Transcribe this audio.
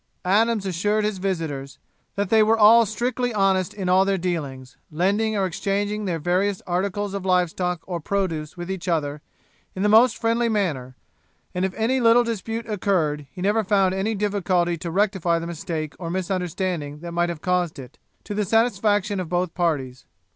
Adams assured his visitors that they were all strictly honest in all their dealings, lending or exchanging their various articles of live stock or produce with each other, in the most friendly manner; and if any little dispute occurred, he never found any difficulty to rectify the mistake or misunderstanding that might have caused it, to the satisfaction of both parties.